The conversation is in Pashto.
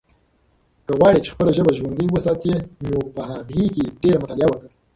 که غواړې چې خپله ژبه ژوندۍ وساتې نو په هغې کې ډېره مطالعه وکړه.